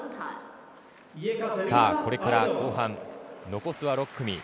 さあ、これから後半残すは６組。